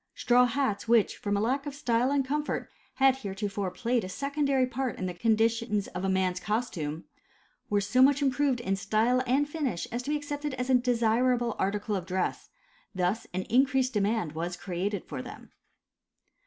Straw hats which from a lack of style and comfort had heretofore played a secondary part in the conditions of man's costume, were so much improved in style and finish as to be accepted as a desirable article of dress, thus an increased demand was created for them.